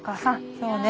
そうね。